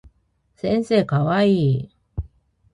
先生かわいい